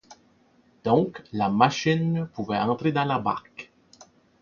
Donc la machine pouvait entrer dans la barque.